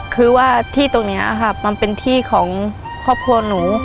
คือว่าที่ตรงนี้ค่ะมันเป็นที่ของครอบครัวหนู